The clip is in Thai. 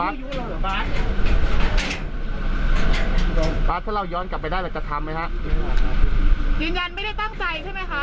เราก็รักทุกคนเนี่ยเราก็รักทุกคนเนี่ย